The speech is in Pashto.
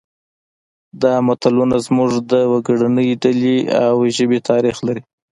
دا متلونه زموږ د وګړنۍ ډلې او ژبې تاریخ لري